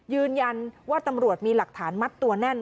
ยืนยันว่าตำรวจมีหลักฐานมัดตัวแน่น